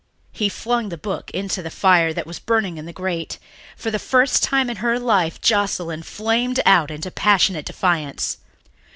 He flung the book into the fire that was burning in the grate. For the first time in her life Joscelyn flamed out into passionate defiance.